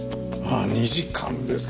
２時間ですか